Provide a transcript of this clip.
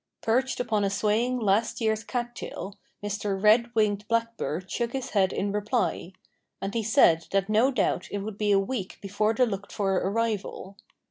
Perched upon a swaying last year's cattail, Mr. Red winged Blackbird shook his head in reply. And he said that no doubt it would be a week before the looked for arrival.